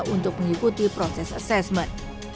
untuk mengikuti proses asesmen